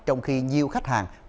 trong khi nhiều khách hàng